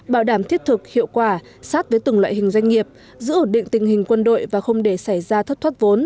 bảo đảm thiết thực hiệu quả sát với từng loại hình doanh nghiệp giữ ổn định tình hình quân đội và không để xảy ra thất thoát vốn